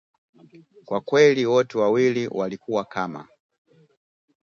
Kwa kweli wote wawili walikuwa kama